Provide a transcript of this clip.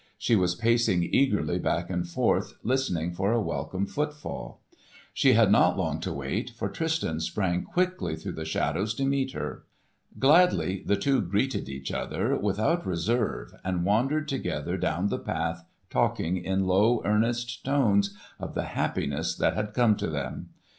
She was pacing eagerly back and forth listening for a welcome footfall. She had not long to wait, for Tristan sprang quickly through the shadows to meet her. Gladly the two greeted each other, without reserve, and wandered together down the path talking in low earnest tones of the happiness that had come to them.